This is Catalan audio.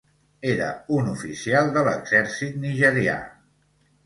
Era un oficial de l'exèrcit nigerià.